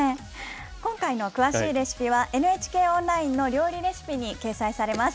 今回の詳しいレシピは、ＮＨＫオンラインの料理レシピに掲載されます。